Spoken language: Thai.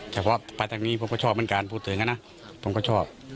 แต่เพราะว่าไปทางนี้ผมก็ชอบเหมือนกันพูดเหมือนกันนะผมก็ชอบ